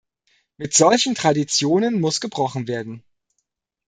Mit solchen Traditionen muss gebrochen werden.